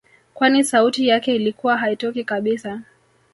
Kwani sauti yake ilikuwa haitokii kabisa